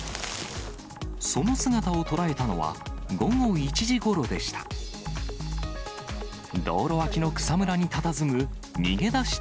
その姿を捉えたのは、午後１時ごろでした。